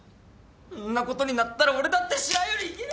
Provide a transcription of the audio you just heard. んなことになったら俺だって白百合行けねえよ！